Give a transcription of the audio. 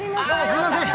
すいません！